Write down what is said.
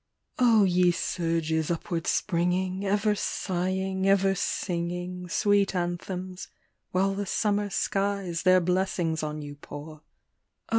ye surges upward springing, ever sighing, ever singing Sweet anthems, while the summer skies their blessings on you pour ; 72 FOREVERMORE.